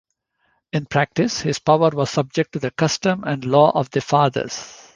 In practice, his power was subject to the custom and law of the fathers.